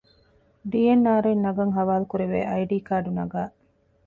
ޑީ. އެން. އާރު އިން ނަގަން ޙަވާލުކުރެވޭ އައި ޑީ ކާޑު ނަގައި